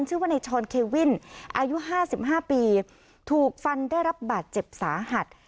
ชื่อว่าในชอนเควินอายุห้าสิบห้าปีถูกฟันได้รับบาดเจ็บสาหัส